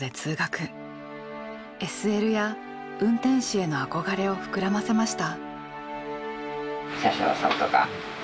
ＳＬや運転士への憧れを膨らませました。